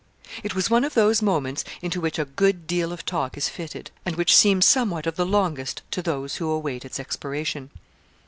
It was one of those moments into which a good deal of talk is fitted, and which seem somewhat of the longest to those who await its expiration.